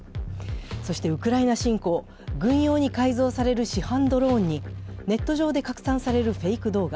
ウクライナ侵攻、軍用に改造される市販ドローンにネット上で拡散されるフェーク動画。